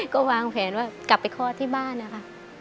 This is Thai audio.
ก็วางแผนว่ากลับไปคลอดที่บ้านนะคะ